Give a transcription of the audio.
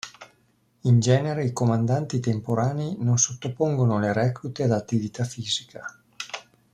In genere, i comandanti temporanei non sottopongono le reclute ad attività fisica.